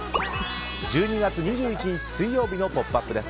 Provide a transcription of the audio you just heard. １２月２１日、水曜日の「ポップＵＰ！」です。